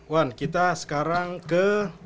wan kita sekarang ke